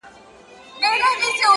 نن مي بيا يادېږي ورځ تېرېږي؛